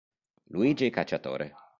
Luigi Cacciatore.